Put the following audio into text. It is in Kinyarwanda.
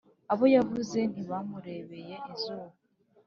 abo yavuye ntibamurebeye izuba.